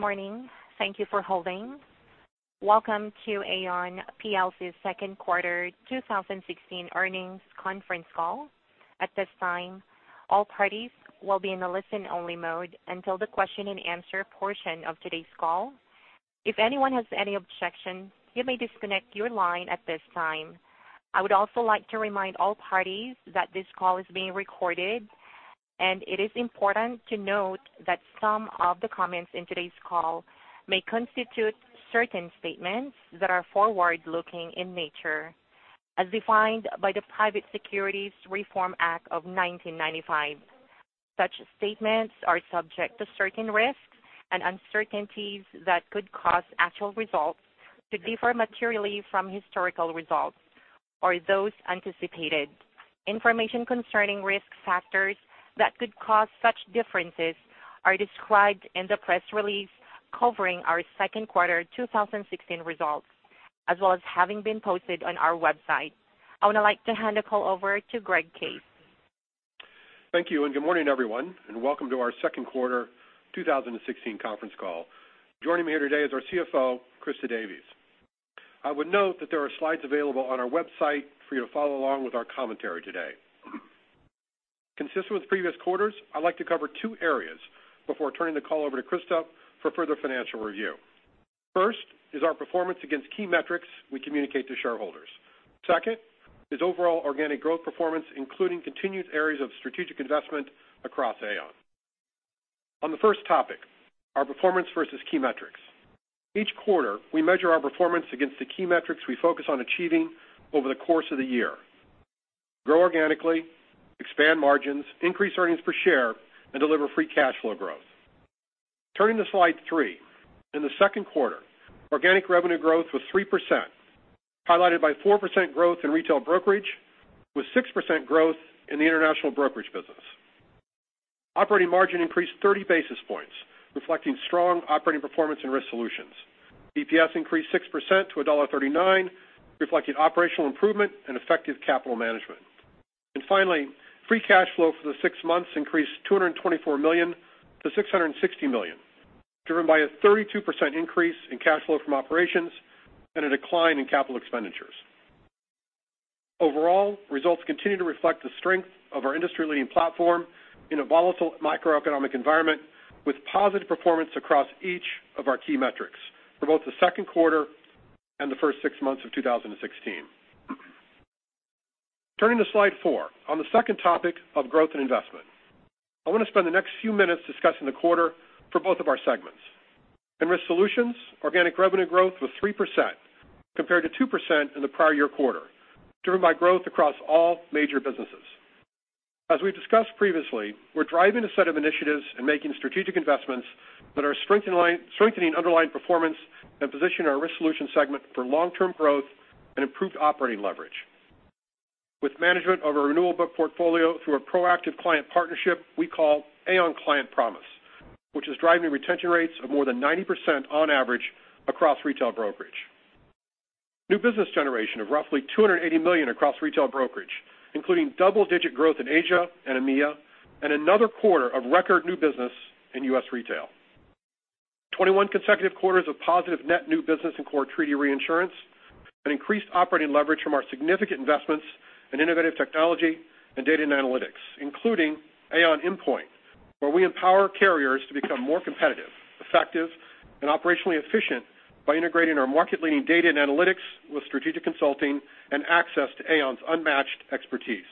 Good morning. Thank you for holding. Welcome to Aon plc's second quarter 2016 earnings conference call. At this time, all parties will be in a listen-only mode until the question and answer portion of today's call. If anyone has any objection, you may disconnect your line at this time. I would also like to remind all parties that this call is being recorded, and it is important to note that some of the comments in today's call may constitute certain statements that are forward-looking in nature, as defined by the Private Securities Litigation Reform Act of 1995. Such statements are subject to certain risks and uncertainties that could cause actual results to differ materially from historical results or those anticipated. Information concerning risk factors that could cause such differences are described in the press release covering our second quarter 2016 results, as well as having been posted on our website. I would like to hand the call over to Greg Case. Thank you. Good morning, everyone. Welcome to our second quarter 2016 conference call. Joining me here today is our CFO, Christa Davies. I would note that there are slides available on our website for you to follow along with our commentary today. Consistent with previous quarters, I'd like to cover two areas before turning the call over to Christa for further financial review. First is our performance against key metrics we communicate to shareholders. Second is overall organic growth performance, including continued areas of strategic investment across Aon. On the first topic, our performance versus key metrics. Each quarter, we measure our performance against the key metrics we focus on achieving over the course of the year. Grow organically, expand margins, increase earnings per share, and deliver free cash flow growth. Turning to slide three. In the second quarter, organic revenue growth was 3%, highlighted by 4% growth in retail brokerage with 6% growth in the international brokerage business. Operating margin increased 30 basis points, reflecting strong operating performance and Risk Solutions. EPS increased 6% to $1.39, reflecting operational improvement and effective capital management. Finally, free cash flow for the six months increased $224 million to $660 million, driven by a 32% increase in cash flow from operations and a decline in capital expenditures. Overall, results continue to reflect the strength of our industry-leading platform in a volatile macroeconomic environment with positive performance across each of our key metrics for both the second quarter and the first six months of 2016. Turning to slide four, on the second topic of growth and investment. I want to spend the next few minutes discussing the quarter for both of our segments. In Risk Solutions, organic revenue growth was 3% compared to 2% in the prior year quarter, driven by growth across all major businesses. As we've discussed previously, we're driving a set of initiatives and making strategic investments that are strengthening underlying performance and positioning our Risk Solutions segment for long-term growth and improved operating leverage. With management of our renewal book portfolio through a proactive client partnership we call Aon Client Promise, which is driving retention rates of more than 90% on average across retail brokerage. New business generation of roughly $280 million across retail brokerage, including double-digit growth in Asia and EMEA, and another quarter of record new business in US retail. 21 consecutive quarters of positive net new business in core treaty reinsurance and increased operating leverage from our significant investments in innovative technology and data and analytics, including Aon Inpoint, where we empower carriers to become more competitive, effective, and operationally efficient by integrating our market-leading data and analytics with strategic consulting and access to Aon's unmatched expertise.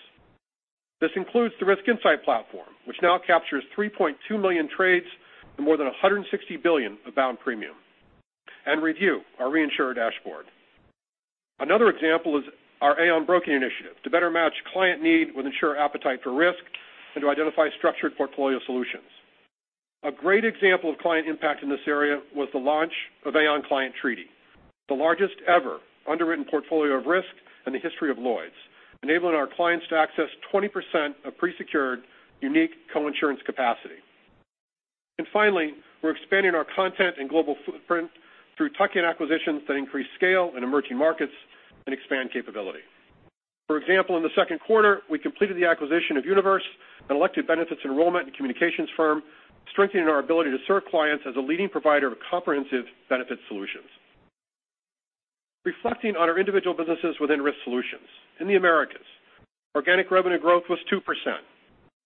This includes the Risk Insight platform, which now captures 3.2 million trades and more than $160 billion of bound premium, and ReView, our reinsurer dashboard. Another example is our Aon Broking initiative to better match client need with insurer appetite for risk and to identify structured portfolio solutions. A great example of client impact in this area was the launch of Aon Client Treaty, the largest ever underwritten portfolio of risk in the history of Lloyd's, enabling our clients to access 20% of pre-secured unique co-insurance capacity. Finally, we're expanding our content and global footprint through tuck-in acquisitions that increase scale in emerging markets and expand capability. For example, in the second quarter, we completed the acquisition of Univers, an elective benefits enrollment and communications firm, strengthening our ability to serve clients as a leading provider of comprehensive benefit solutions. Reflecting on our individual businesses within Risk Solutions. In the Americas, organic revenue growth was 2%.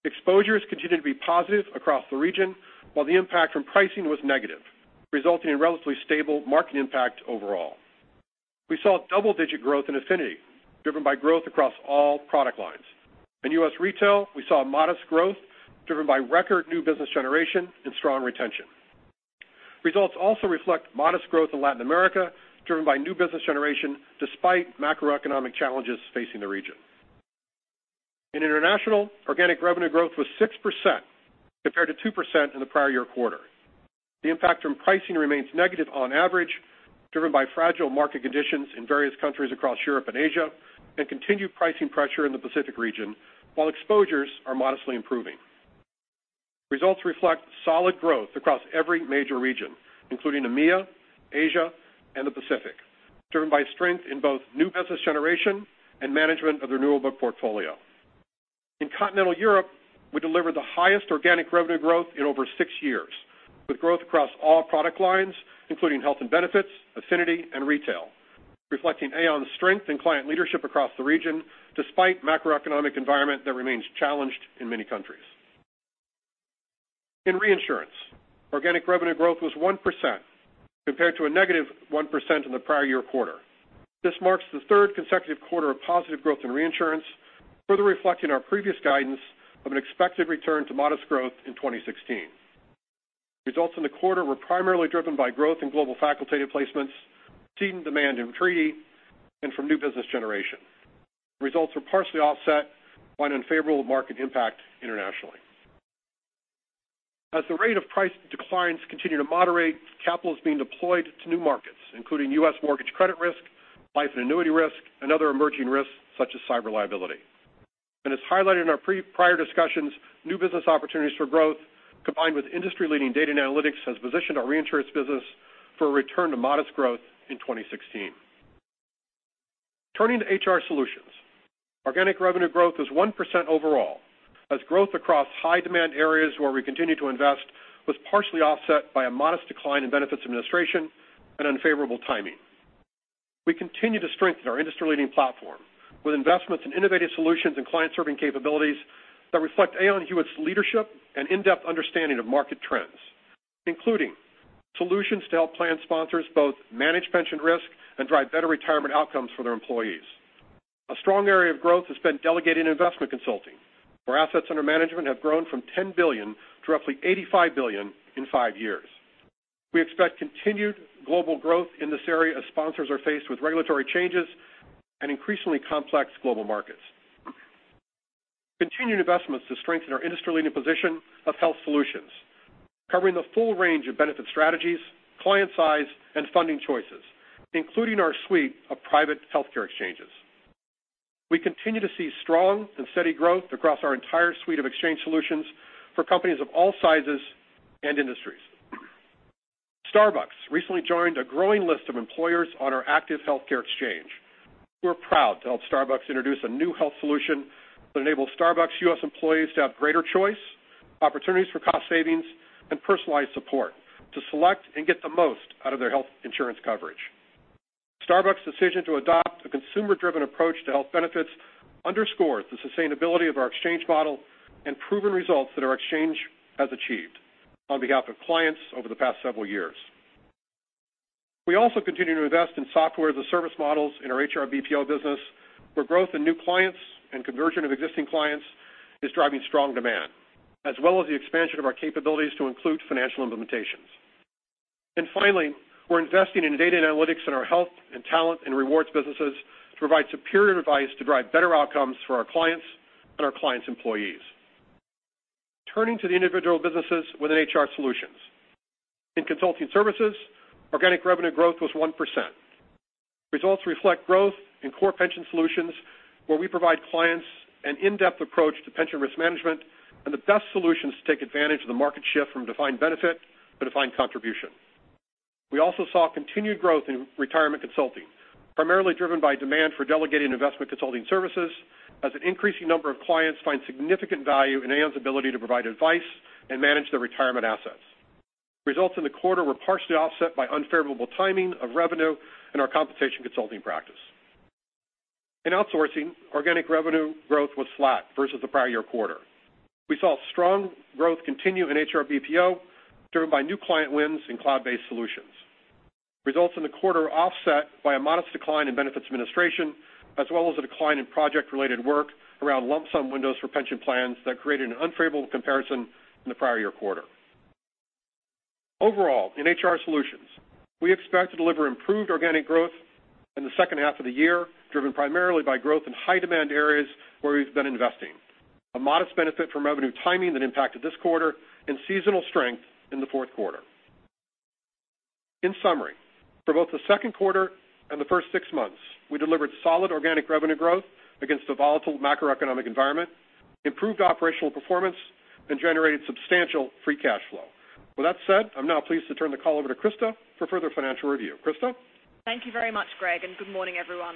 Exposures continued to be positive across the region, while the impact from pricing was negative, resulting in relatively stable market impact overall. We saw double-digit growth in affinity, driven by growth across all product lines. In US retail, we saw modest growth driven by record new business generation and strong retention. Results also reflect modest growth in Latin America, driven by new business generation despite macroeconomic challenges facing the region. In international, organic revenue growth was 6% compared to 2% in the prior year quarter. The impact from pricing remains negative on average, driven by fragile market conditions in various countries across Europe and Asia and continued pricing pressure in the Pacific region, while exposures are modestly improving. Results reflect solid growth across every major region, including EMEA, Asia, and the Pacific, driven by strength in both new business generation and management of the renewable portfolio. In continental Europe, we delivered the highest organic revenue growth in over six years, with growth across all product lines, including health and benefits, affinity, and retail, reflecting Aon's strength in client leadership across the region, despite macroeconomic environment that remains challenged in many countries. In reinsurance, organic revenue growth was 1% compared to a negative 1% in the prior year quarter. This marks the third consecutive quarter of positive growth in reinsurance, further reflecting our previous guidance of an expected return to modest growth in 2016. Results in the quarter were primarily driven by growth in global facultative placements, seen demand in treaty, and from new business generation. Results were partially offset by an unfavorable market impact internationally. As the rate of price declines continue to moderate, capital is being deployed to new markets, including U.S. mortgage credit risk, life and annuity risk, and other emerging risks such as cyber liability. As highlighted in our prior discussions, new business opportunities for growth, combined with industry-leading data and analytics, has positioned our reinsurance business for a return to modest growth in 2016. Turning to HR Solutions. Organic revenue growth was 1% overall, as growth across high demand areas where we continue to invest was partially offset by a modest decline in benefits administration and unfavorable timing. We continue to strengthen our industry-leading platform with investments in innovative solutions and client-serving capabilities that reflect Aon Hewitt's leadership and in-depth understanding of market trends, including solutions to help plan sponsors both manage pension risk and drive better retirement outcomes for their employees. A strong area of growth has been delegated investment consulting, where assets under management have grown from $10 billion to roughly $85 billion in five years. We expect continued global growth in this area as sponsors are faced with regulatory changes and increasingly complex global markets. Continuing investments to strengthen our industry-leading position of Health Solutions, covering the full range of benefit strategies, client size, and funding choices, including our suite of private healthcare exchanges. We continue to see strong and steady growth across our entire suite of exchange solutions for companies of all sizes and industries. Starbucks recently joined a growing list of employers on our active healthcare exchange. We're proud to help Starbucks introduce a new health solution that enables Starbucks U.S. employees to have greater choice, opportunities for cost savings, and personalized support to select and get the most out of their health insurance coverage. Starbucks' decision to adopt a consumer-driven approach to health benefits underscores the sustainability of our exchange model and proven results that our exchange has achieved on behalf of clients over the past several years. We also continue to invest in software as a service models in our HR BPO business, where growth in new clients and conversion of existing clients is driving strong demand, as well as the expansion of our capabilities to include financial implementations. Finally, we're investing in data and analytics in our health and talent and rewards businesses to provide superior advice to drive better outcomes for our clients and our clients' employees. Turning to the individual businesses within HR Solutions. In consulting services, organic revenue growth was 1%. Results reflect growth in core pension solutions, where we provide clients an in-depth approach to pension risk management and the best solutions to take advantage of the market shift from defined benefit to defined contribution. We also saw continued growth in retirement consulting, primarily driven by demand for delegating investment consulting services as an increasing number of clients find significant value in Aon's ability to provide advice and manage their retirement assets. Results in the quarter were partially offset by unfavorable timing of revenue in our compensation consulting practice. In outsourcing, organic revenue growth was flat versus the prior year quarter. We saw strong growth continue in HR BPO, driven by new client wins in cloud-based solutions. Results in the quarter offset by a modest decline in benefits administration, as well as a decline in project-related work around lump sum windows for pension plans that created an unfavorable comparison in the prior year quarter. Overall, in HR Solutions, we expect to deliver improved organic growth in the second half of the year, driven primarily by growth in high demand areas where we've been investing. A modest benefit from revenue timing that impacted this quarter and seasonal strength in the fourth quarter. In summary, for both the second quarter and the first six months, we delivered solid organic revenue growth against a volatile macroeconomic environment, improved operational performance, and generated substantial free cash flow. With that said, I am now pleased to turn the call over to Christa for further financial review. Christa? Thank you very much, Greg, and good morning, everyone.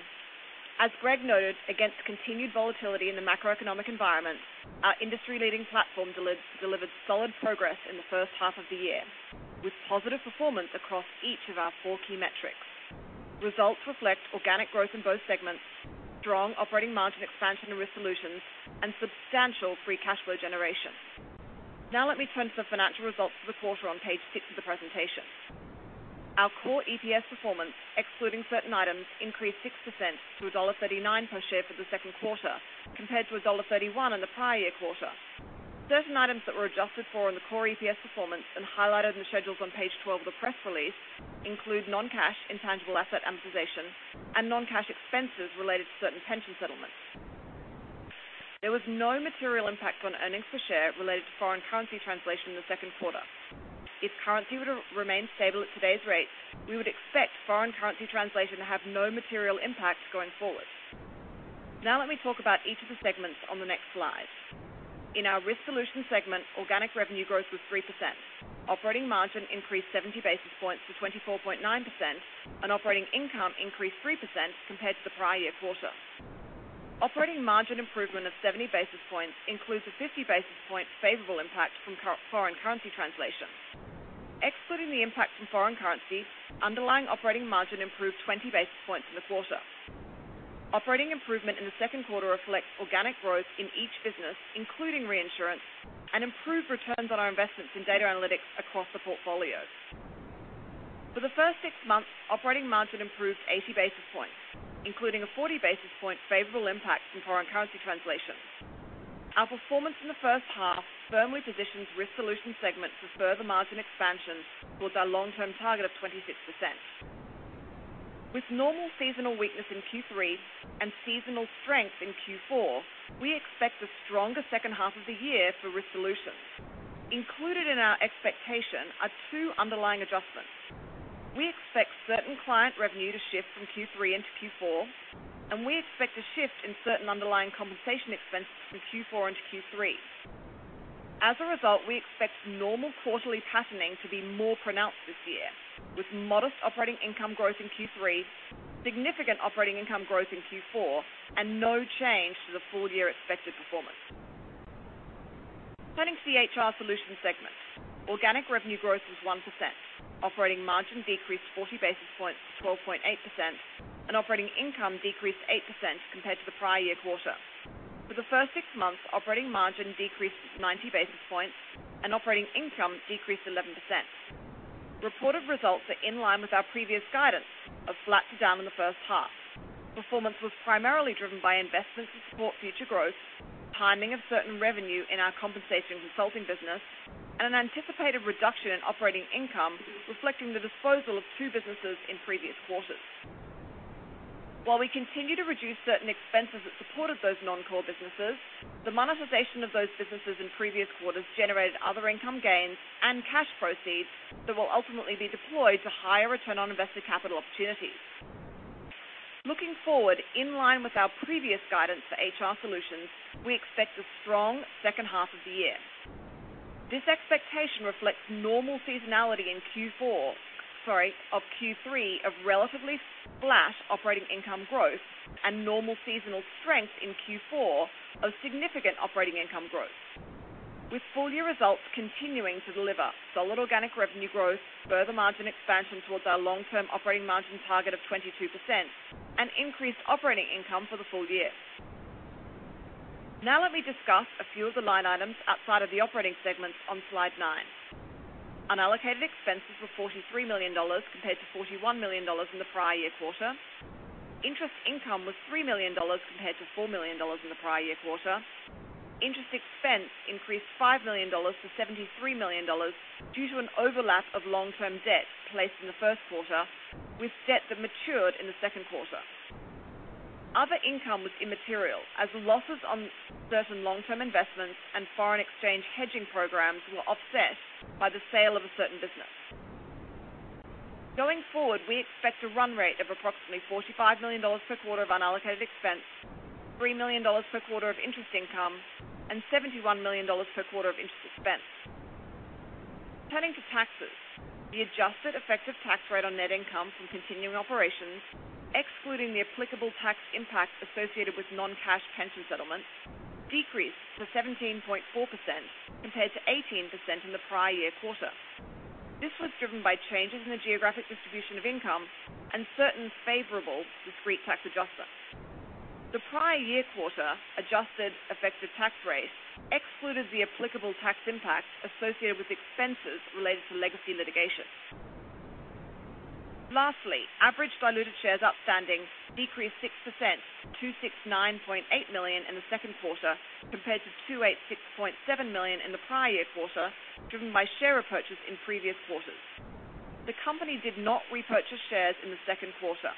As Greg noted, against continued volatility in the macroeconomic environment, our industry-leading platform delivered solid progress in the first half of the year, with positive performance across each of our four key metrics. Results reflect organic growth in both segments, strong operating margin expansion and Risk Solutions, and substantial free cash flow generation. Now let me turn to the financial results for the quarter on page six of the presentation. Our core EPS performance, excluding certain items, increased 6% to $1.39 per share for the second quarter, compared to $1.31 in the prior year quarter. Certain items that were adjusted for in the core EPS performance and highlighted in the schedules on page 12 of the press release include non-cash intangible asset amortization and non-cash expenses related to certain pension settlements. There was no material impact on earnings per share related to foreign currency translation in the second quarter. If currency were to remain stable at today's rates, we would expect foreign currency translation to have no material impact going forward. Now let me talk about each of the segments on the next slide. In our Risk Solutions segment, organic revenue growth was 3%. Operating margin increased 70 basis points to 24.9%, and operating income increased 3% compared to the prior year quarter. Operating margin improvement of 70 basis points includes a 50 basis point favorable impact from foreign currency translation. Excluding the impact from foreign currency, underlying operating margin improved 20 basis points in the quarter. Operating improvement in the second quarter reflects organic growth in each business, including reinsurance, and improved returns on our investments in data analytics across the portfolio. For the first six months, operating margin improved 80 basis points, including a 40 basis point favorable impact from foreign currency translation. Our performance in the first half firmly positions Risk Solutions segment for further margin expansion towards our long-term target of 26%. With normal seasonal weakness in Q3 and seasonal strength in Q4, we expect a stronger second half of the year for Risk Solutions. Included in our expectation are two underlying adjustments. We expect certain client revenue to shift from Q3 into Q4, and we expect a shift in certain underlying compensation expenses from Q4 into Q3. As a result, we expect normal quarterly patterning to be more pronounced this year, with modest operating income growth in Q3, significant operating income growth in Q4, and no change to the full-year expected performance. Turning to the HR Solutions segment. Organic revenue growth was 1%, operating margin decreased 40 basis points to 12.8%, and operating income decreased 8% compared to the prior year quarter. For the first six months, operating margin decreased 90 basis points and operating income decreased 11%. Reported results are in line with our previous guidance of flat to down in the first half. Performance was primarily driven by investments to support future growth, timing of certain revenue in our compensation consulting business, and an anticipated reduction in operating income reflecting the disposal of two businesses in previous quarters. While we continue to reduce certain expenses that supported those non-core businesses, the monetization of those businesses in previous quarters generated other income gains and cash proceeds that will ultimately be deployed to higher return on invested capital opportunities. Looking forward, in line with our previous guidance for HR Solutions, we expect a strong second half of the year. This expectation reflects normal seasonality of Q3 of relatively flat operating income growth and normal seasonal strength in Q4 of significant operating income growth, with full-year results continuing to deliver solid organic revenue growth, further margin expansion towards our long-term operating margin target of 22%, and increased operating income for the full year. Now let me discuss a few of the line items outside of the operating segments on slide nine. Unallocated expenses were $43 million compared to $41 million in the prior year quarter. Interest income was three million dollars compared to four million dollars in the prior year quarter. Interest expense increased five million dollars to $73 million due to an overlap of long-term debt placed in the first quarter with debt that matured in the second quarter. Other income was immaterial as losses on certain long-term investments and foreign exchange hedging programs were offset by the sale of a certain business. Going forward, we expect a run rate of approximately $45 million per quarter of unallocated expense, three million dollars per quarter of interest income, and $71 million per quarter of interest expense. Turning to taxes, the adjusted effective tax rate on net income from continuing operations, excluding the applicable tax impact associated with non-cash pension settlements, decreased to 17.4% compared to 18% in the prior year quarter. This was driven by changes in the geographic distribution of income and certain favorable discrete tax adjustments. The prior year quarter adjusted effective tax rate excluded the applicable tax impact associated with expenses related to legacy litigation. Lastly, average diluted shares outstanding decreased 6% to 269.8 million in the second quarter compared to 286.7 million in the prior year quarter, driven by share repurchases in previous quarters. The company did not repurchase shares in the second quarter.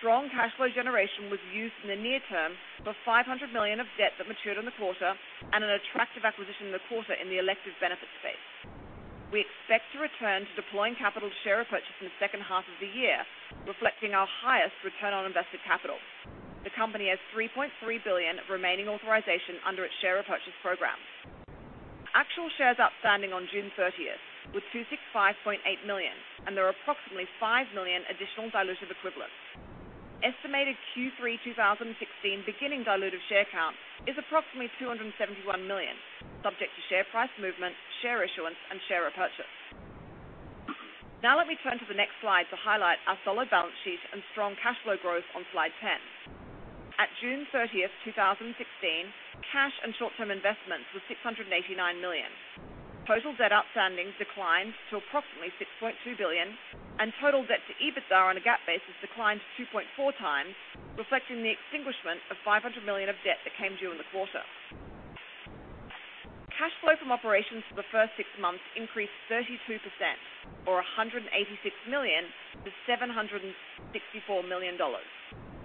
Strong cash flow generation was used in the near term for $500 million of debt that matured in the quarter and an attractive acquisition in the quarter in the elective benefits space. We expect to return to deploying capital to share repurchase in the second half of the year, reflecting our highest return on invested capital. The company has $3.3 billion of remaining authorization under its share repurchase program. Actual shares outstanding on June 30th were 265.8 million, and there are approximately five million additional diluted equivalents. Estimated Q3 2016 beginning diluted share count is approximately 271 million, subject to share price movement, share issuance, and share repurchase. Let me turn to the next slide to highlight our solid balance sheet and strong cash flow growth on slide 10. At June 30, 2016, cash and short-term investments were $689 million. Total debt outstanding declined to approximately $6.2 billion, and total debt to EBITDA on a GAAP basis declined 2.4 times, reflecting the extinguishment of $500 million of debt that came due in the quarter. Cash flow from operations for the first six months increased 32%, or $186 million, to $764 million,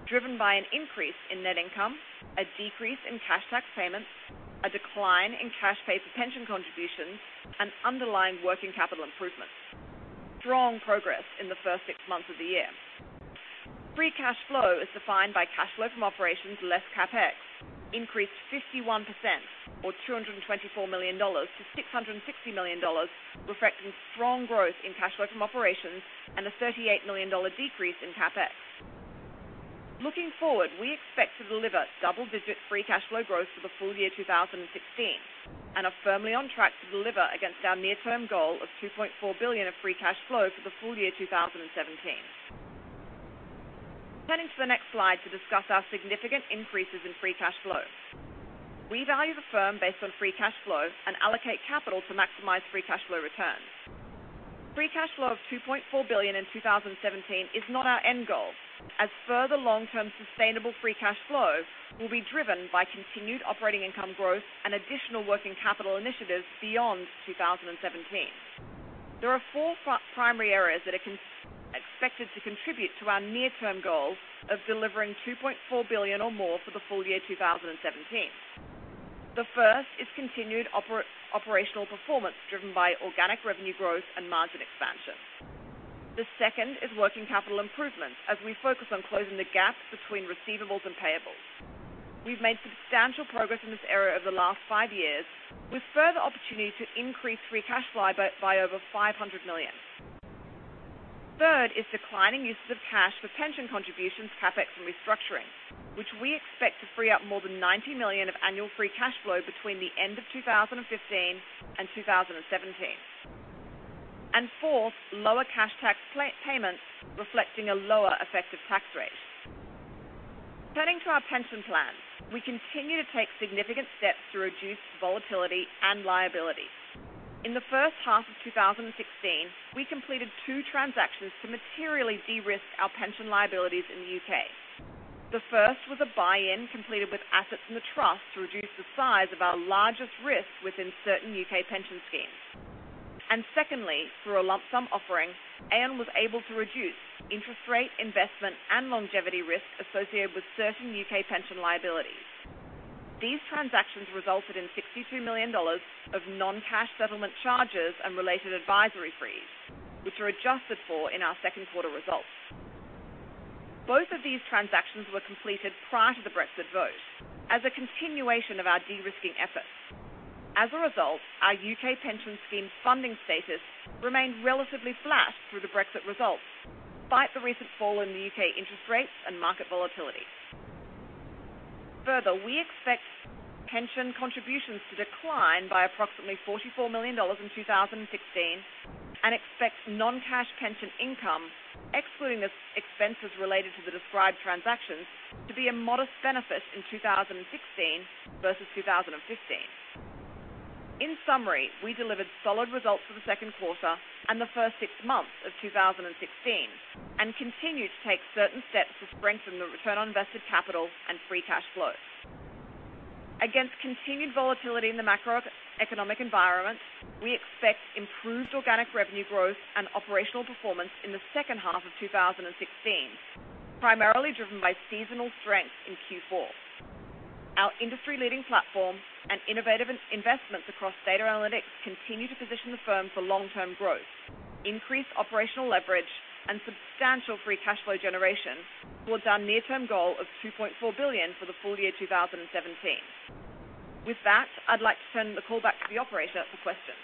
driven by an increase in net income, a decrease in cash tax payments, a decline in cash paid to pension contributions, and underlying working capital improvements. Strong progress in the first six months of the year. Free cash flow, as defined by cash flow from operations less CapEx, increased 51%, or $224 million to $660 million, reflecting strong growth in cash flow from operations and a $38 million decrease in CapEx. Looking forward, we expect to deliver double-digit free cash flow growth for the full year 2016, and are firmly on track to deliver against our near-term goal of $2.4 billion of free cash flow for the full year 2017. Turning to the next slide to discuss our significant increases in free cash flow. We value the firm based on free cash flow and allocate capital to maximize free cash flow returns. Free cash flow of $2.4 billion in 2017 is not our end goal, as further long-term sustainable free cash flow will be driven by continued operating income growth and additional working capital initiatives beyond 2017. There are four primary areas that are expected to contribute to our near-term goal of delivering $2.4 billion or more for the full year 2017. The first is continued operational performance driven by organic revenue growth and margin expansion. The second is working capital improvements as we focus on closing the gap between receivables and payables. We've made substantial progress in this area over the last five years with further opportunity to increase free cash flow by over $500 million. Third is declining uses of cash for pension contributions, CapEx, and restructuring, which we expect to free up more than $90 million of annual free cash flow between the end of 2015 and 2017. Fourth, lower cash tax payments reflecting a lower effective tax rate. Turning to our pension plans, we continue to take significant steps to reduce volatility and liability. In the first half of 2016, we completed two transactions to materially de-risk our pension liabilities in the U.K. The first was a buy-in completed with assets in the trust to reduce the size of our largest risk within certain U.K. pension schemes. Secondly, through a lump sum offering, Aon was able to reduce interest rate investment and longevity risks associated with certain U.K. pension liabilities. These transactions resulted in $62 million of non-cash settlement charges and related advisory fees, which are adjusted for in our second quarter results. Both of these transactions were completed prior to the Brexit vote as a continuation of our de-risking efforts. As a result, our U.K. pension scheme funding status remained relatively flat through the Brexit results, despite the recent fall in the U.K. interest rates and market volatility. Further, we expect pension contributions to decline by approximately $44 million in 2016 and expect non-cash pension income, excluding expenses related to the described transactions, to be a modest benefit in 2016 versus 2015. In summary, we delivered solid results for the second quarter and the first six months of 2016 and continue to take certain steps to strengthen the return on invested capital and free cash flow. Against continued volatility in the macroeconomic environment, we expect improved organic revenue growth and operational performance in the second half of 2016, primarily driven by seasonal strength in Q4. Our industry-leading platform and innovative investments across data analytics continue to position the firm for long-term growth, increased operational leverage, and substantial free cash flow generation towards our near-term goal of $2.4 billion for the full year 2017. With that, I'd like to turn the call back to the operator for questions.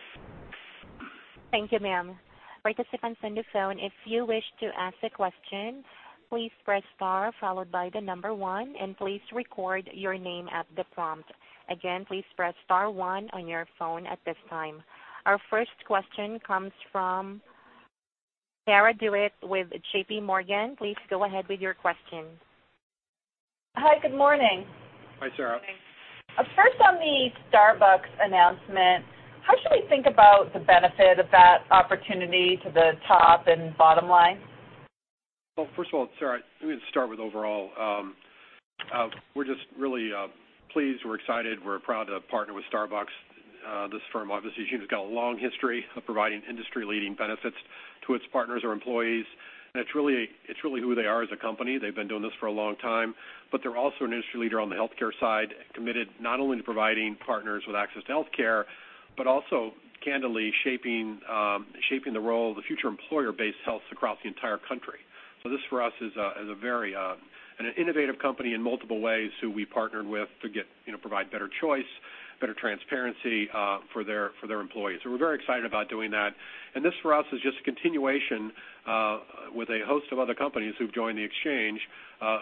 Thank you, ma'am. Participants on the phone, if you wish to ask a question, please press star followed by the number 1, and please record your name at the prompt. Again, please press star 1 on your phone at this time. Our first question comes from Sarah DeWitt with J.P. Morgan. Please go ahead with your question. Hi, good morning. Hi, Sarah. First on the Starbucks announcement, how should we think about the benefit of that opportunity to the top and bottom line? Well, first of all, Sarah, let me just start with overall. We're just really pleased, we're excited, we're proud to partner with Starbucks. This firm obviously has got a long history of providing industry-leading benefits to its partners or employees, and it's really who they are as a company. They've been doing this for a long time. They're also an industry leader on the healthcare side, committed not only to providing partners with access to healthcare, but also candidly shaping the role of the future employer-based health across the entire country. This, for us, is a very innovative company in multiple ways who we partnered with to provide better choice, better transparency for their employees. We're very excited about doing that. This for us is just a continuation with a host of other companies who've joined the exchange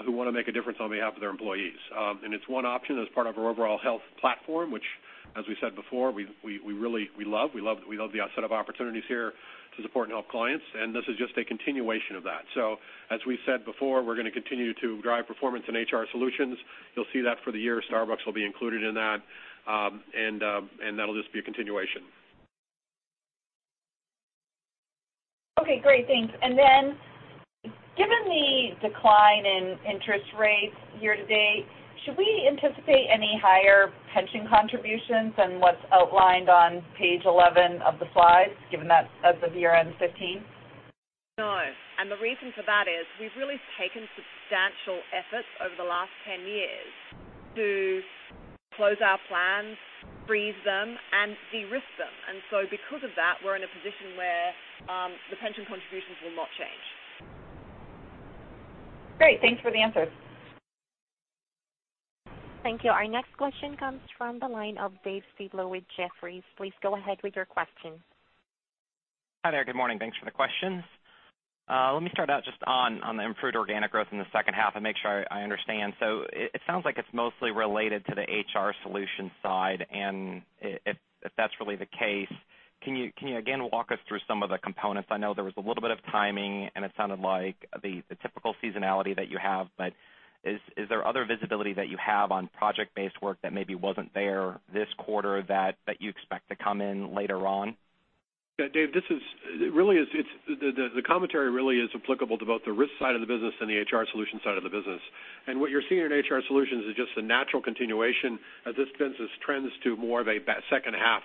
who want to make a difference on behalf of their employees. It's one option as part of our overall health platform, which as we said before, we love. We love the set of opportunities here to support and help clients, and this is just a continuation of that. As we said before, we're going to continue to drive performance in HR Solutions. You'll see that for the year. Starbucks will be included in that. That'll just be a continuation. Okay, great. Thanks. Then given the decline in interest rates year to date, should we anticipate any higher pension contributions than what's outlined on page 11 of the slides given that as of year end 2015? No, the reason for that is we've really taken substantial efforts over the last 10 years to close our plans, freeze them, and de-risk them. Because of that, we're in a position where the pension contributions will not change. Great. Thanks for the answers. Thank you. Our next question comes from the line of Dave Styblo with Jefferies. Please go ahead with your question. Hi there. Good morning. Thanks for the questions. Let me start out just on the improved organic growth in the second half and make sure I understand. It sounds like it's mostly related to the HR Solutions side, and if that's really the case, can you again walk us through some of the components? I know there was a little bit of timing, and it sounded like the typical seasonality that you have, but is there other visibility that you have on project-based work that maybe wasn't there this quarter that you expect to come in later on? Yeah, Dave, the commentary really is applicable to both the risk side of the business and the HR Solutions side of the business. What you're seeing in HR Solutions is just a natural continuation as this business trends to more of a back-half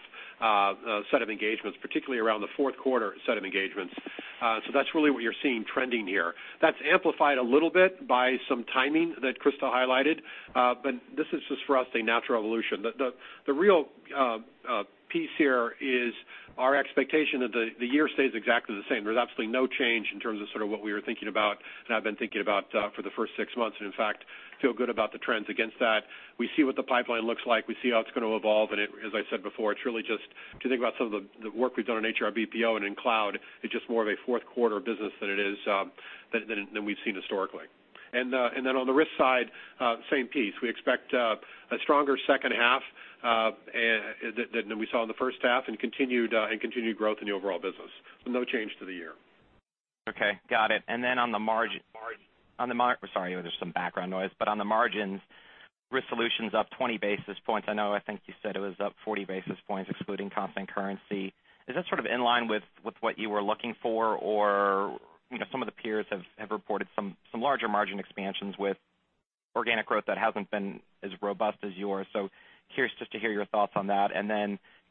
set of engagements, particularly around the fourth quarter set of engagements. That's really what you're seeing trending here. That's amplified a little bit by some timing that Christa highlighted. This is just for us, a natural evolution. The real piece here is our expectation that the year stays exactly the same. There's absolutely no change in terms of what we were thinking about and have been thinking about for the first six months, and in fact, feel good about the trends against that. We see what the pipeline looks like. We see how it's going to evolve, as I said before, if you think about some of the work we've done in HR BPO and in cloud, it's just more of a fourth quarter business than we've seen historically. On the risk side, same piece. We expect a stronger second half than we saw in the first half and continued growth in the overall business. No change to the year. Okay. Got it. Sorry, there's some background noise. On the margins, Risk Solutions up 20 basis points. I know, I think you said it was up 40 basis points excluding constant currency. Is that sort of in line with what you were looking for? Or some of the peers have reported some larger margin expansions with organic growth that hasn't been as robust as yours. Curious just to hear your thoughts on that.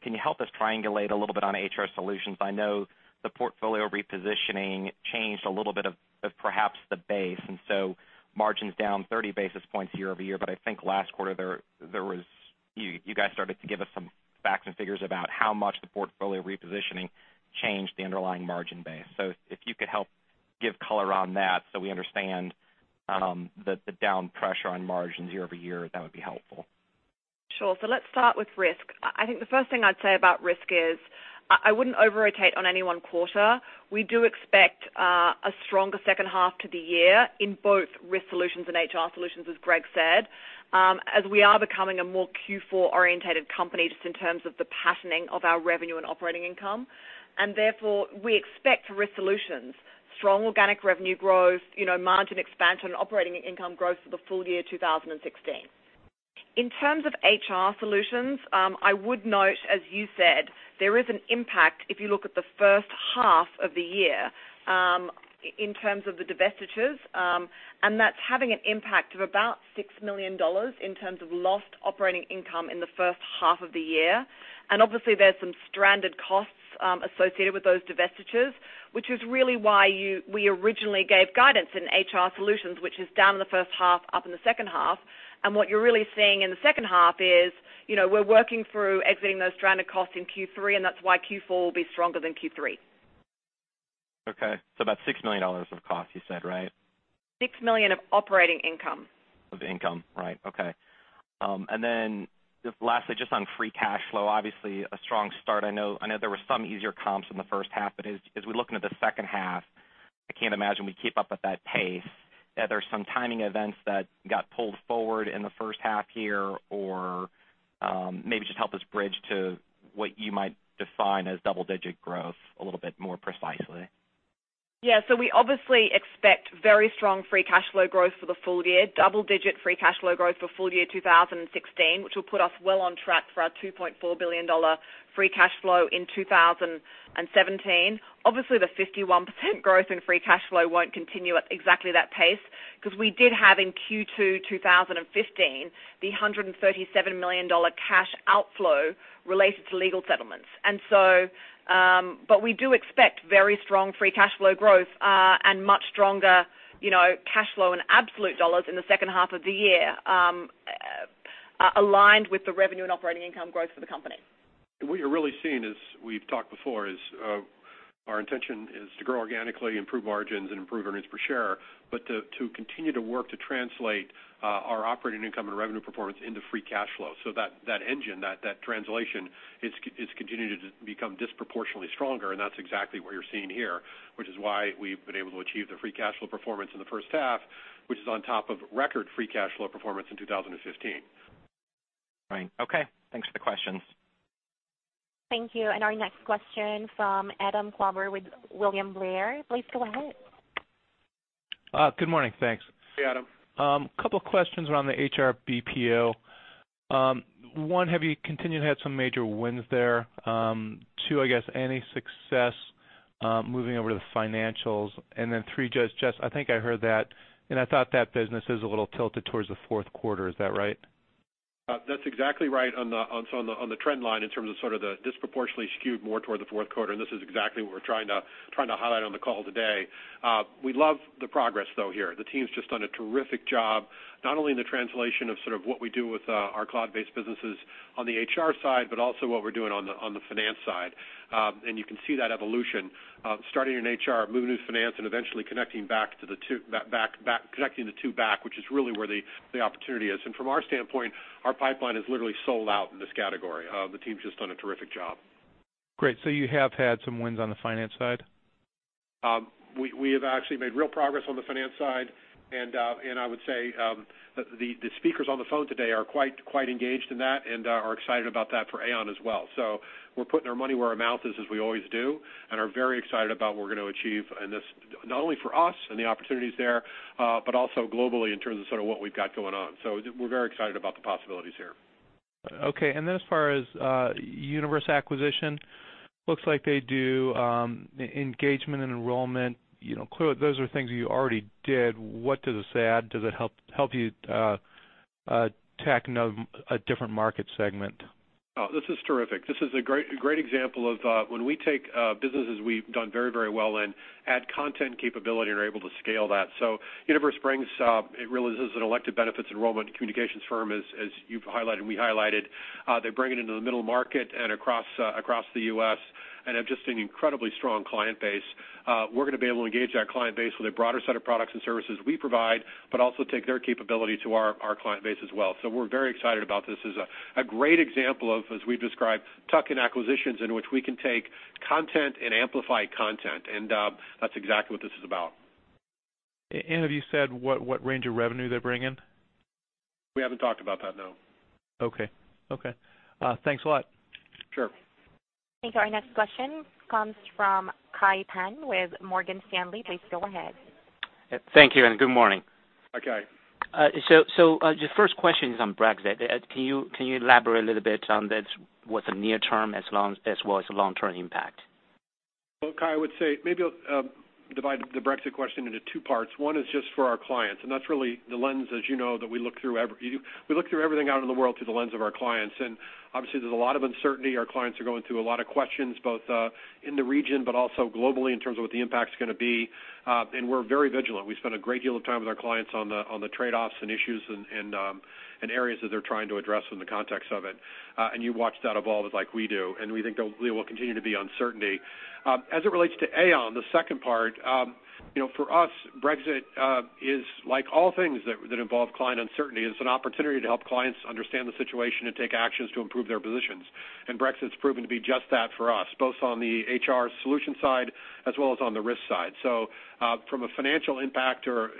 Can you help us triangulate a little bit on HR Solutions? I know the portfolio repositioning changed a little bit of perhaps the base, and so margins down 30 basis points year-over-year. I think last quarter, you guys started to give us some facts and figures about how much the portfolio repositioning changed the underlying margin base. If you could help give color on that so we understand the down pressure on margins year-over-year, that would be helpful. Sure. Let's start with Risk Solutions. I think the first thing I'd say about Risk Solutions is I wouldn't over-rotate on any one quarter. We do expect a stronger second half to the year in both Risk Solutions and HR Solutions, as Greg said, as we are becoming a more Q4-orientated company, just in terms of the patterning of our revenue and operating income. Therefore, we expect Risk Solutions, strong organic revenue growth, margin expansion, operating income growth for the full year 2016. In terms of HR Solutions, I would note, as you said, there is an impact if you look at the first half of the year in terms of the divestitures, and that's having an impact of about $6 million in terms of lost operating income in the first half of the year. Obviously there's some stranded costs associated with those divestitures, which is really why we originally gave guidance in HR Solutions, which is down in the first half, up in the second half. What you're really seeing in the second half is we're working through exiting those stranded costs in Q3, and that's why Q4 will be stronger than Q3. Okay. About $6 million of cost you said, right? $6 million of operating income. Of income. Right. Okay. Lastly, just on free cash flow, obviously a strong start. I know there were some easier comps in the first half. As we look into the second half, I can't imagine we keep up at that pace. There's some timing events that got pulled forward in the first half here. Maybe just help us bridge to what you might define as double-digit growth a little bit more precisely. We obviously expect very strong free cash flow growth for the full year, double-digit free cash flow growth for full year 2016, which will put us well on track for our $2.4 billion free cash flow in 2017. The 51% growth in free cash flow won't continue at exactly that pace because we did have in Q2 2015, the $137 million cash outflow related to legal settlements. We do expect very strong free cash flow growth and much stronger cash flow in absolute dollars in the second half of the year, aligned with the revenue and operating income growth for the company. What you're really seeing, as we've talked before, is our intention is to grow organically, improve margins, and improve earnings per share, to continue to work to translate our operating income and revenue performance into free cash flow. That engine, that translation is continuing to become disproportionately stronger. That's exactly what you're seeing here, which is why we've been able to achieve the free cash flow performance in the first half, which is on top of record free cash flow performance in 2015. Right. Okay. Thanks for the questions. Thank you. Our next question from Adam Klauber with William Blair. Please go ahead. Good morning. Thanks. Hey, Adam. A couple of questions around the HR BPO. One, have you continued to have some major wins there? Two, I guess any success moving over to the financials? Three, Just, I think I heard that, and I thought that business is a little tilted towards the fourth quarter. Is that right? That's exactly right on the trend line in terms of the disproportionately skewed more toward the fourth quarter. This is exactly what we're trying to highlight on the call today. We love the progress though here. The team's just done a terrific job, not only in the translation of what we do with our cloud-based businesses on the HR side, but also what we're doing on the finance side. You can see that evolution, starting in HR, moving to finance, and eventually connecting the two back, which is really where the opportunity is. From our standpoint, our pipeline is literally sold out in this category. The team's just done a terrific job. Great. You have had some wins on the finance side? We have actually made real progress on the finance side, and I would say, the speakers on the phone today are quite engaged in that and are excited about that for Aon as well. We're putting our money where our mouth is, as we always do, and are very excited about what we're going to achieve in this, not only for us and the opportunities there, but also globally in terms of what we've got going on. We're very excited about the possibilities here. As far as Univers acquisition, looks like they do engagement and enrollment. Clearly, those are things you already did. What does this add? Does it help you tack a different market segment? Oh, this is terrific. This is a great example of when we take businesses we've done very well in, add content capability, and are able to scale that. Univers brings, it really is an elected benefits enrollment and communications firm, as you've highlighted, we highlighted. They bring it into the middle market and across the U.S., and have just an incredibly strong client base. We're going to be able to engage that client base with a broader set of products and services we provide, but also take their capability to our client base as well. We're very excited about this. This is a great example of, as we've described, tuck-in acquisitions in which we can take content and amplify content, and that's exactly what this is about. Have you said what range of revenue they bring in? We haven't talked about that, no. Okay. Thanks a lot. Sure. Thanks. Our next question comes from Kai Pan with Morgan Stanley. Please go ahead. Thank you and good morning. Hi, Kai. The first question is on Brexit. Can you elaborate a little bit on what the near term as well as the long-term impact? Well, Kai, I would say, maybe I'll divide the Brexit question into two parts. One is just for our clients, and that's really the lens, as you know, that we look through everything out in the world through the lens of our clients. Obviously, there's a lot of uncertainty. Our clients are going through a lot of questions, both, in the region, but also globally in terms of what the impact is going to be. We're very vigilant. We spend a great deal of time with our clients on the trade-offs and issues and areas that they're trying to address in the context of it. You watch that evolve as like we do, and we think there will continue to be uncertainty. As it relates to Aon, the second part, for us, Brexit is like all things that involve client uncertainty. It's an opportunity to help clients understand the situation and take actions to improve their positions. Brexit's proven to be just that for us, both on the HR Solutions side as well as on the risk side. From a financial impact or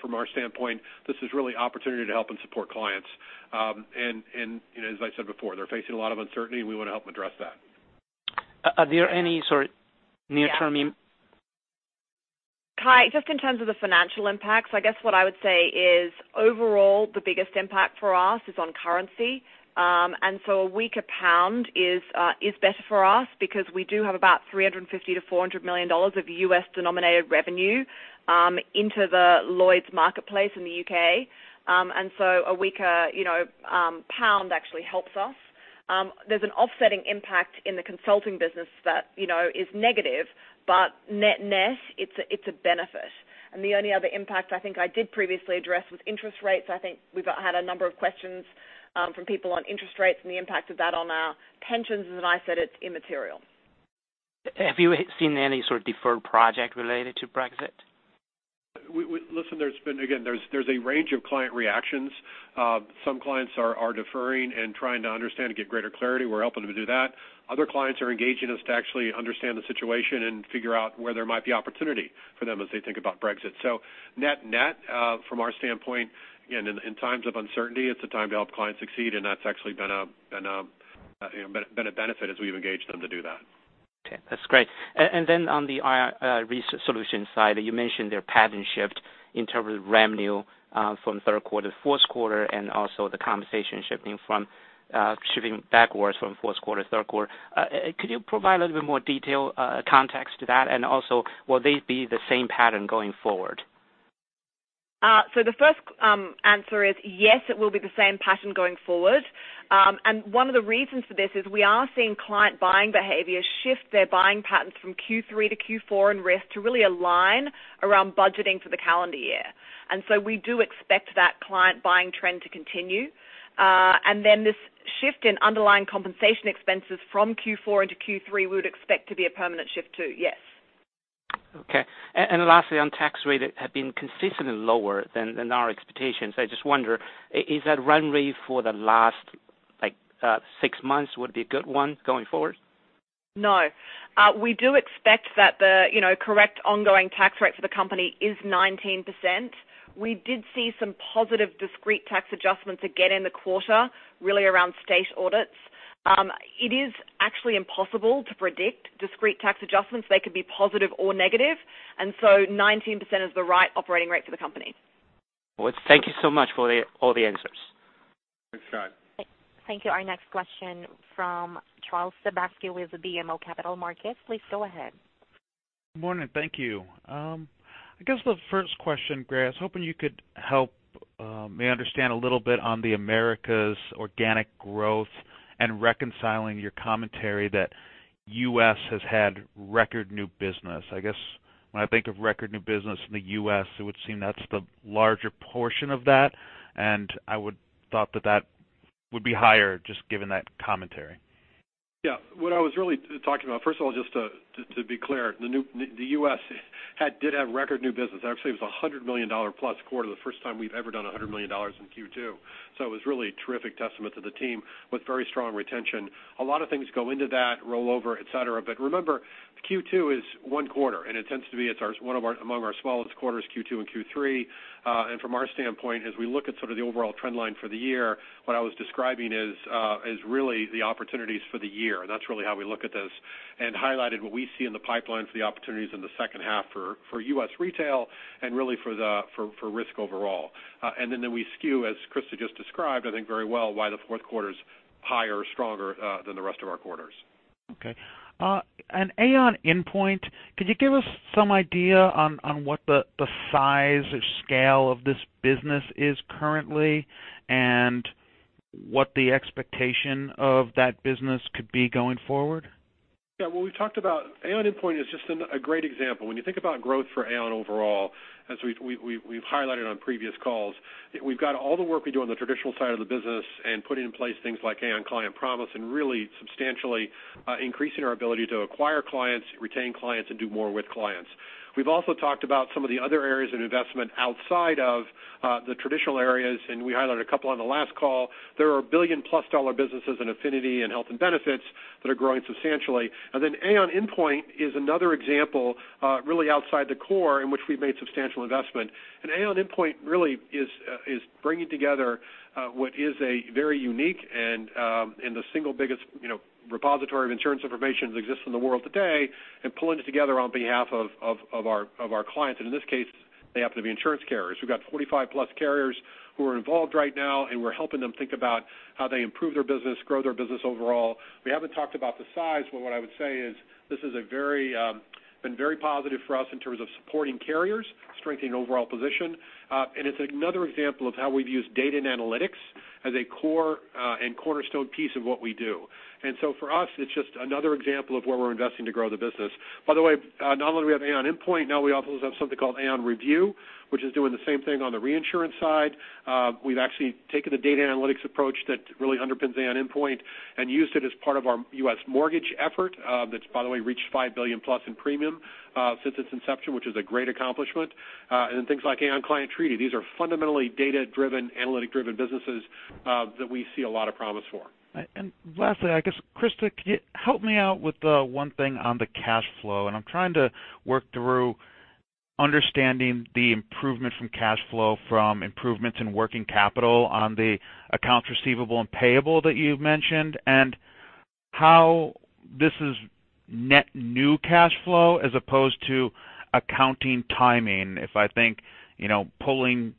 from our standpoint, this is really opportunity to help and support clients. As I said before, they're facing a lot of uncertainty, and we want to help address that. Are there any, sorry, near-term- Kai, just in terms of the financial impacts, I guess what I would say is overall, the biggest impact for us is on currency. A weaker pound is better for us because we do have about $350 million-$400 million of U.S.-denominated revenue into the Lloyd's marketplace in the U.K. A weaker pound actually helps us. There's an offsetting impact in the consulting business that is negative, but net-net, it's a benefit. The only other impact I think I did previously address was interest rates. I think we've had a number of questions from people on interest rates and the impact of that on our pensions, and as I said, it's immaterial. Have you seen any sort of deferred project related to Brexit? Listen, again, there's a range of client reactions. Some clients are deferring and trying to understand and get greater clarity. We're helping them to do that. Other clients are engaging us to actually understand the situation and figure out where there might be opportunity for them as they think about Brexit. Net-net, from our standpoint, again, in times of uncertainty, it's a time to help clients succeed, and that's actually been a benefit as we've engaged them to do that. Okay, that's great. On the Risk Solutions side, you mentioned their pattern shift in terms of revenue from third quarter to fourth quarter, also the compensation shifting backwards from fourth quarter to third quarter. Could you provide a little bit more detail, context to that? Also, will they be the same pattern going forward? The first answer is yes, it will be the same pattern going forward. One of the reasons for this is we are seeing client buying behavior shift their buying patterns from Q3 to Q4 in Risk to really align around budgeting for the calendar year. We do expect that client buying trend to continue. Then this shift in underlying compensation expenses from Q4 into Q3 we would expect to be a permanent shift too. Yes. Okay. Lastly, on tax rate, it had been consistently lower than our expectations. I just wonder, is that run rate for the last six months, would it be a good one going forward? No. We do expect that the correct ongoing tax rate for the company is 19%. We did see some positive discrete tax adjustments again in the quarter, really around state audits. It is actually impossible to predict discrete tax adjustments. They could be positive or negative. 19% is the right operating rate for the company. Well, thank you so much for all the answers. Thanks, Kai. Thank you. Our next question from Charles Sebaski with BMO Capital Markets. Please go ahead. Good morning. Thank you. I guess the first question, Greg, I was hoping you could help me understand a little bit on the Americas organic growth and reconciling your commentary that U.S. has had record new business. I guess when I think of record new business in the U.S., it would seem that's the larger portion of that, I would thought that that would be higher just given that commentary. Yeah. What I was really talking about, first of all, just to be clear, the U.S. did have record new business. It was really a terrific testament to the team with very strong retention. A lot of things go into that, rollover, et cetera. Remember, Q2 is one quarter, and it tends to be one among our smallest quarters, Q2 and Q3. From our standpoint, as we look at sort of the overall trend line for the year, what I was describing is really the opportunities for the year. That's really how we look at this and highlighted what we see in the pipeline for the opportunities in the second half for U.S. retail and really for risk overall. Then we skew, as Christa just described, I think very well why the fourth quarter's higher, stronger, than the rest of our quarters. Okay. On Aon Inpoint, could you give us some idea on what the size or scale of this business is currently and what the expectation of that business could be going forward? Yeah. Well, we talked about Aon Inpoint is just a great example. When you think about growth for Aon overall, as we've highlighted on previous calls, we've got all the work we do on the traditional side of the business and putting in place things like Aon Client Promise and really substantially increasing our ability to acquire clients, retain clients, and do more with clients. We've also talked about some of the other areas of investment outside of the traditional areas. We highlighted a couple on the last call. There are $1 billion-plus businesses in affinity and health and benefits that are growing substantially. Aon Inpoint is another example really outside the core in which we've made substantial investment. Aon Inpoint really is bringing together what is a very unique and the single biggest repository of insurance information that exists in the world today and pulling it together on behalf of our clients. In this case, they happen to be insurance carriers. We've got 45+ carriers who are involved right now, and we're helping them think about how they improve their business, grow their business overall. What I would say is this has been very positive for us in terms of supporting carriers, strengthening overall position. It's another example of how we've used data and analytics as a core and cornerstone piece of what we do. For us, it's just another example of where we're investing to grow the business. By the way, not only do we have Aon Inpoint, now we also have something called Aon ReView, which is doing the same thing on the reinsurance side. We've actually taken the data analytics approach that really underpins Aon Inpoint and used it as part of our U.S. mortgage effort. That's by the way, reached $5 billion+ in premium since its inception, which is a great accomplishment. Things like Aon Client Treaty. These are fundamentally data-driven, analytic-driven businesses that we see a lot of promise for. Lastly, I guess, Christa, could you help me out with the one thing on the cash flow? I am trying to work through understanding the improvement from cash flow from improvements in working capital on the accounts receivable and payable that you have mentioned and how this is net new cash flow as opposed to accounting timing. If I think pulling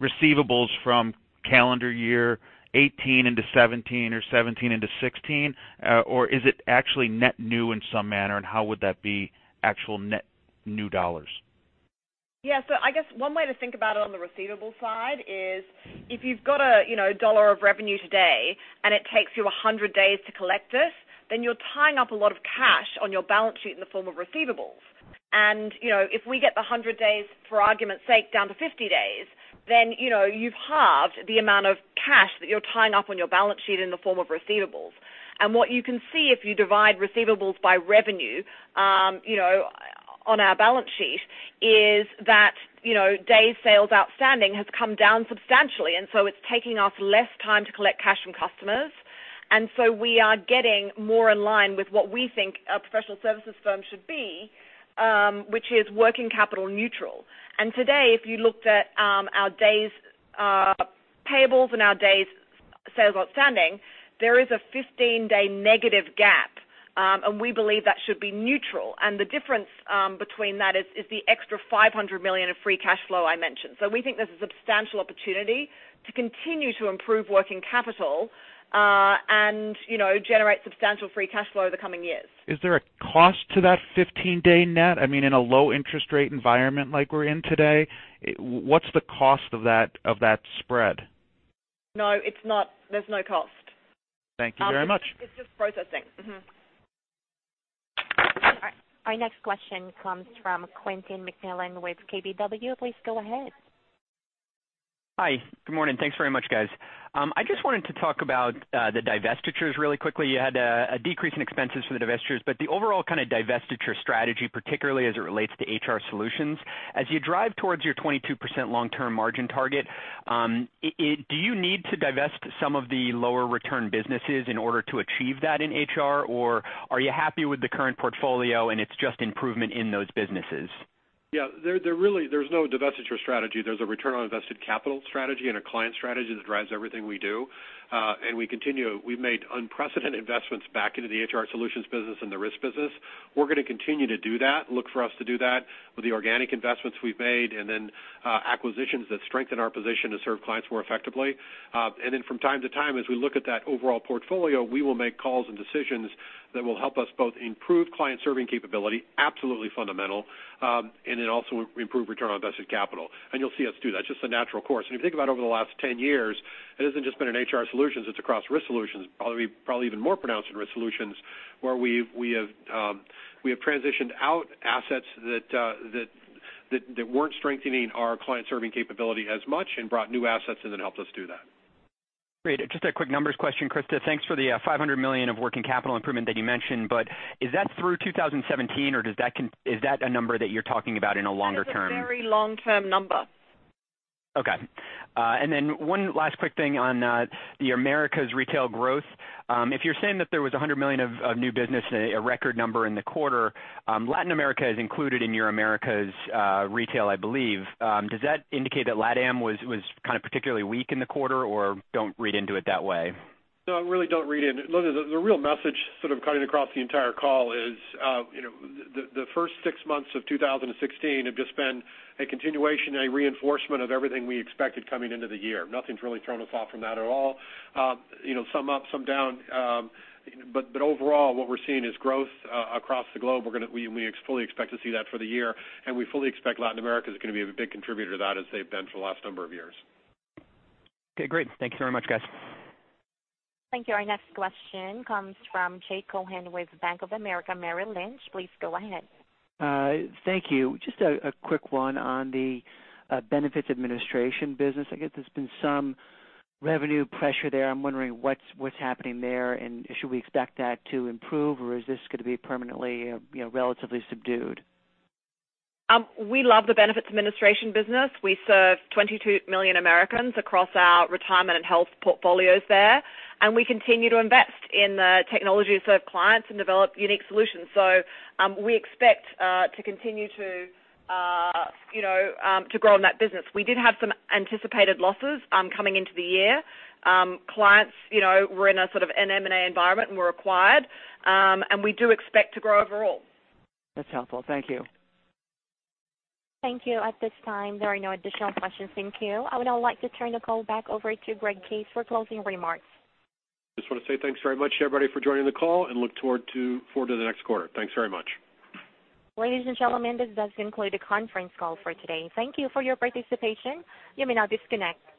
receivables from calendar year 2018 into 2017 or 2017 into 2016, or is it actually net new in some manner, and how would that be actual net new dollars? Yeah. I guess one way to think about it on the receivables side is if you have got a dollar of revenue today and it takes you 100 days to collect this, then you are tying up a lot of cash on your balance sheet in the form of receivables. If we get the 100 days, for argument's sake, down to 50 days, then you have halved the amount of cash that you are tying up on your balance sheet in the form of receivables. What you can see if you divide receivables by revenue on our balance sheet is that days sales outstanding has come down substantially, it is taking us less time to collect cash from customers. We are getting more in line with what we think a professional services firm should be, which is working capital neutral. Today, if you looked at our days payables and our days sales outstanding, there is a 15-day negative gap. We believe that should be neutral. The difference between that is the extra $500 million of free cash flow I mentioned. We think there is a substantial opportunity to continue to improve working capital and generate substantial free cash flow over the coming years. Is there a cost to that 15-day net? I mean, in a low interest rate environment like we are in today, what is the cost of that spread? No, there's no cost. Thank you very much. It's just processing. Mm-hmm. Our next question comes from Quentin McMillan with KBW. Please go ahead. Hi. Good morning. Thanks very much, guys. I just wanted to talk about the divestitures really quickly. You had a decrease in expenses for the divestitures, but the overall kind of divestiture strategy, particularly as it relates to HR Solutions. As you drive towards your 22% long-term margin target, do you need to divest some of the lower return businesses in order to achieve that in HR? Or are you happy with the current portfolio and it's just improvement in those businesses? Yeah, there's no divestiture strategy. There's a return on invested capital strategy and a client strategy that drives everything we do. We continue. We've made unprecedented investments back into the HR Solutions business and the Risk Solutions business. We're going to continue to do that. Look for us to do that with the organic investments we've made, acquisitions that strengthen our position to serve clients more effectively. From time to time, as we look at that overall portfolio, we will make calls and decisions that will help us both improve client-serving capability, absolutely fundamental, and also improve return on invested capital. You'll see us do that. Just the natural course. If you think about over the last 10 years, it hasn't just been in HR Solutions, it's across Risk Solutions, probably even more pronounced in Risk Solutions, where we have transitioned out assets that weren't strengthening our client-serving capability as much and brought new assets in that helped us do that. Great. Just a quick numbers question, Christa. Thanks for the $500 million of working capital improvement that you mentioned. Is that through 2017, or is that a number that you're talking about in a longer term? It's a very long-term number. Okay. One last quick thing on the Americas retail growth. If you're saying that there was $100 million of new business, a record number in the quarter, Latin America is included in your Americas retail, I believe. Does that indicate that LATAM was kind of particularly weak in the quarter, or don't read into it that way? No, really don't read into it. Listen, the real message sort of cutting across the entire call is, the first six months of 2016 have just been a continuation, a reinforcement of everything we expected coming into the year. Nothing's really thrown us off from that at all. Some up, some down, overall, what we're seeing is growth across the globe. We fully expect to see that for the year, and we fully expect Latin America is going to be a big contributor to that, as they've been for the last number of years. Okay, great. Thank you very much, guys. Thank you. Our next question comes from Jay Cohen with Bank of America Merrill Lynch. Please go ahead. Thank you. Just a quick one on the benefits administration business. I guess there's been some revenue pressure there. I'm wondering what's happening there, should we expect that to improve, or is this going to be permanently relatively subdued? We love the benefits administration business. We serve 22 million Americans across our retirement and health portfolios there, we continue to invest in the technology to serve clients and develop unique solutions. We expect to continue to grow in that business. We did have some anticipated losses coming into the year. Clients were in a sort of an M&A environment and were acquired. We do expect to grow overall. That's helpful. Thank you. Thank you. At this time, there are no additional questions in queue. I would now like to turn the call back over to Greg Case for closing remarks. Just want to say thanks very much everybody for joining the call and look forward to the next quarter. Thanks very much. Ladies and gentlemen, this does conclude the conference call for today. Thank you for your participation. You may now disconnect.